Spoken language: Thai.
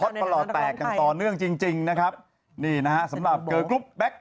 ฮอตประหล่อแตกอันต่อเนื่องจริงนะครับนี่นะฮะสำหรับเกอร์